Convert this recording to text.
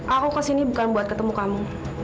aku kesini bukan buat ketemu kamu